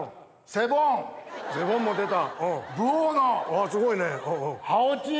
セボンも出た。